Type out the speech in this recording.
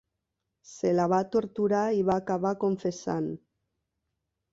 Se la va torturar i va acabar confessant.